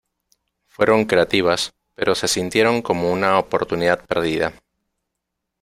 Fueron creativas, pero se sintieron como una oportunidad perdida".